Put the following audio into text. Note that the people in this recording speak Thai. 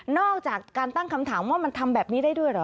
อกจากการตั้งคำถามว่ามันทำแบบนี้ได้ด้วยเหรอ